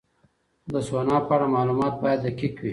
د سونا په اړه معلومات باید دقیق وي.